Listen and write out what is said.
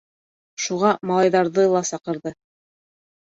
Шуға малайҙарҙы ла саҡырҙы.